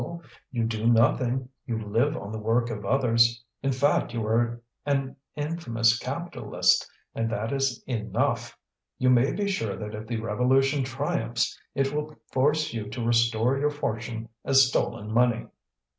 You do nothing; you live on the work of others. In fact you are an infamous capitalist, and that is enough. You may be sure that if the revolution triumphs, it will force you to restore your fortune as stolen money."